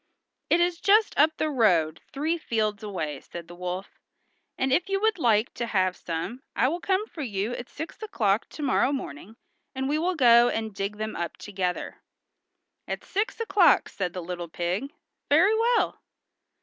"It is just up the road three fields away," said the wolf, "and if you would like to have some I will come for you at six o'clock to morrow morning, and we will go and dig them up together." "At six o'clock!" said the little pig. "Very well."